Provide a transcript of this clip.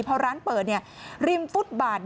พอร้านเปิดริมฟุตบาท